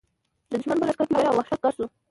د دښمن په لښکر کې وېره او وحشت ګډ شو.